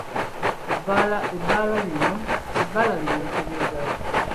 Ebbala lino litegeeza ki?